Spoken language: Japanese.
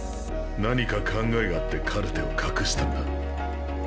何か考えがあってカルテを隠したんだ。